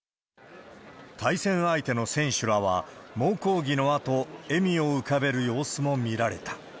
対戦相手の選手らは、猛抗議のあと、笑みを浮かべる様子も見られた。